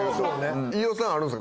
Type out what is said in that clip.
飯尾さんあるんですか？